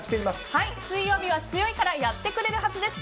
水曜日は強いからやってくれるはずです。